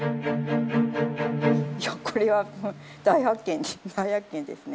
いやこれは大発見大発見ですね。